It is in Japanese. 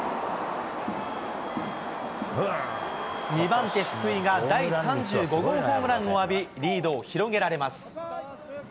２番手、福井が第３５号ホームランを浴び、リードを広げられます。